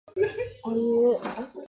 おいう